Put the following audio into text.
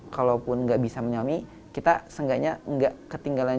kalau pun nggak bisa menyamai kita seenggaknya nggak ketinggalan